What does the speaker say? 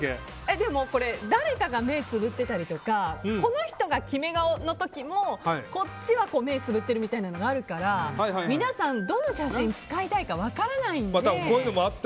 でも、誰かが目をつぶっていたりとかこの人が決め顔の時もこっちは目つむってるみたいなのがあるから皆さん、どの写真を使いたいかまた、こういうのもあって。